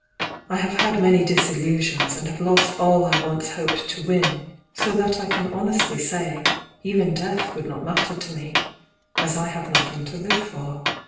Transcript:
"I have had many disillusions and have lost all I once hoped to win ; so that I can honestly say even death would not matter to me, as I have nothing to live for.